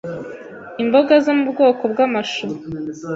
imboga zo mu bwoko bw’amashu,